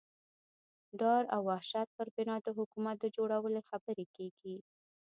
ډار او وحشت پر بنا د حکومت د جوړولو خبرې کېږي.